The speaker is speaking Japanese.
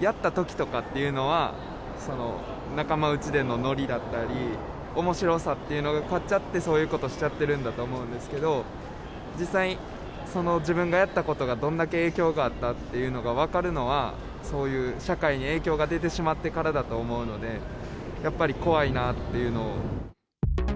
やったときとかっていうのは、仲間内での乗りだったり、おもしろさっていうのが勝っちゃって、そういうことしちゃってるんだと思うんですけど、実際に、自分がやったことがどんだけ影響があったっていうのが分かるのは、そういう社会に影響が出てしまってからだと思うので、やっぱり怖いなっていうのを。